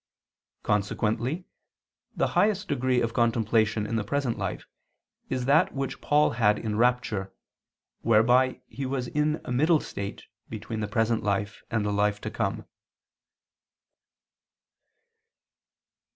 Consequently the highest degree of contemplation in the present life is that which Paul had in rapture, whereby he was in a middle state between the present life and the life to come.